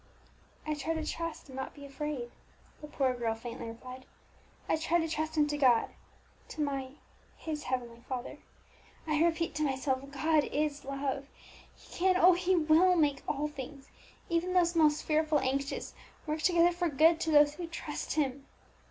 "I try to trust and not be afraid," the poor girl faintly replied. "I try to trust him to God, to my his Heavenly Father. I repeat to myself, God is love. He can oh! He will make all things, even this most fearful anguish, work together for good to those who trust Him!"